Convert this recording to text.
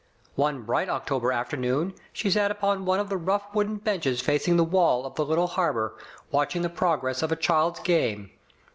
One bright October afternoon she sat upon one of the rough wooden benches facing the wall of the little harbor, watching the progress of a child's game.